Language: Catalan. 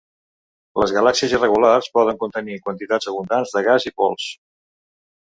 Les galàxies irregulars poden contenir quantitats abundants de gas i pols.